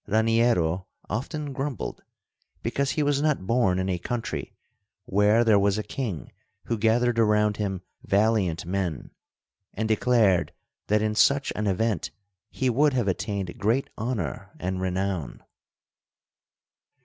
Raniero often grumbled because he was not born in a country where there was a king who gathered around him valiant men, and declared that in such an event he would have attained great honor and renown.